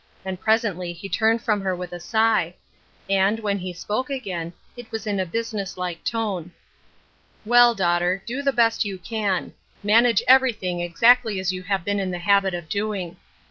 And presently he turned from her with a sigh ; and, when he spoke again, it was in a business like tone :" Well, daughter, do the best you can. ]\lan age everything exactly as you have been in the habit of doing.